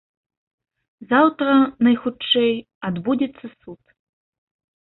Заўтра, найхутчэй, адбудзецца суд.